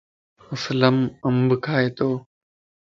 اسلم انب کائي تو.